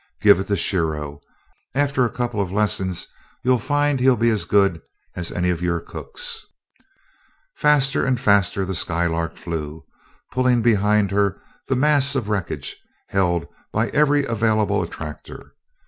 Give it to Shiro after a couple of lessons, you'll find he'll be as good as any of your cooks." Faster and faster the Skylark flew, pulling behind her the mass of wreckage, held by every available attractor.